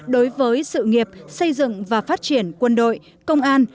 đối với sự nghiệp xây dựng và phát triển quân đội công an